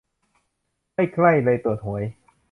ไม่ใกล้เล้ย ตรวจหวย